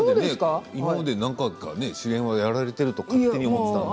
今まで主演をやられていると勝手に思っていた。